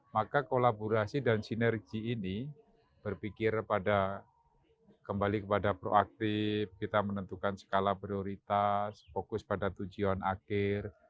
maka kolaborasi dan sinergi ini berpikir pada kembali kepada proaktif kita menentukan skala prioritas fokus pada tujuan akhir